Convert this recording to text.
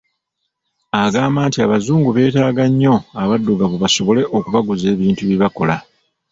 Agamba nti abazungu beetaaga nnyo abaddugavu basobole okubaguza ebintu bye bakola.